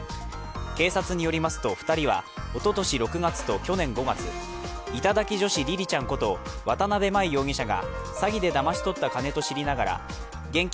警察によりますと２人はおととし６月と去年５月、頂き女子りりちゃんこと渡邊真衣容疑者が詐欺でだまし取った金と知りながら現金